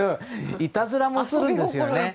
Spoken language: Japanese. いたずらもするんですよね。